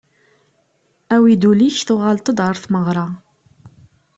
Awi-d ul-ik tuγaleḍ-d γer tmeγra.